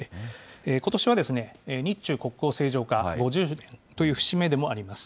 ことしは、日中国交正常化５０年という節目でもあります。